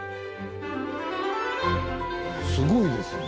すごいですね。